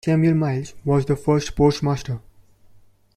Samuel Miles was the first postmaster.